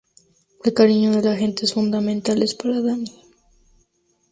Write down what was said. El cariño de la gente es fundamentales para Dani.